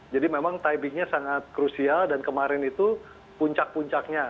jadi memang timingnya sangat krusial dan kemarin itu puncak puncaknya